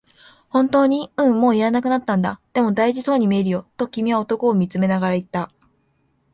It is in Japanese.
「本当に？」、「うん、もう要らなくなったんだ」、「でも、大事そうに見えるよ」と君は男を見つめながら言った。